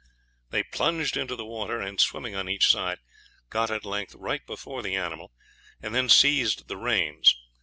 They plunged into the water, and swimming on each side, got at length right before the animal, and then seized the reins.